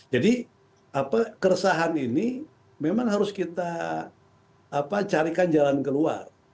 jadi keresahan ini memang harus kita carikan jalan keluar